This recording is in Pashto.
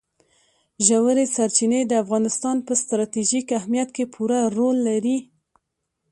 ژورې سرچینې د افغانستان په ستراتیژیک اهمیت کې پوره رول لري.